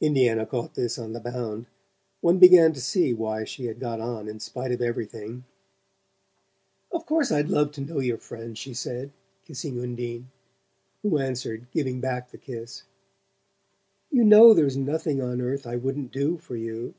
Indiana caught this on the bound: one began to see why she had got on in spite of everything. "Of course I'd love to know your friends," she said, kissing Undine; who answered, giving back the kiss: "You know there's nothing on earth I wouldn't do for you."